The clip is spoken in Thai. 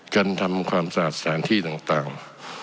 กันทำความสะอาดสถานที่ต่าง